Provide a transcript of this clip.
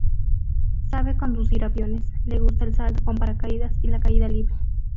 Sabe conducir aviones, le gusta el salto con paracaídas y la caída libre.